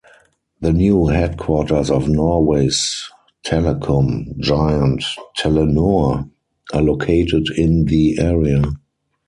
The new headquarters of Norway's telecom giant Telenor are located in the area.